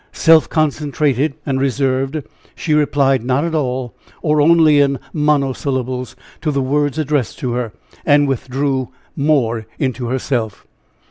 Self concentrated and reserved, she replied not at all, or only in monosyllables, to the words addressed to her, and withdrew more into herself.